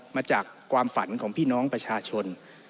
มาจากความฝันของพี่น้องประชาชน